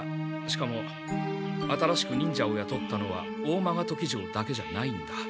しかも新しく忍者をやとったのはオーマガトキ城だけじゃないんだ。